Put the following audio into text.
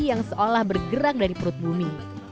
yang seolah bergerak dari perut bumi